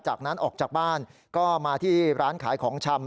จากนั้นออกจากบ้านก็มาที่ร้านขายของชำ